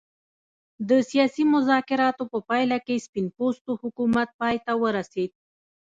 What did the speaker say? د سیاسي مذاکراتو په پایله کې سپین پوستو حکومت پای ته ورسېد.